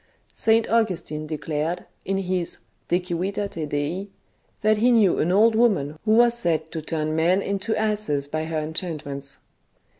S. Augustine declared, in his De Civitate Dei, that he knew an old woman who was said to turn men into asses by her enchantments.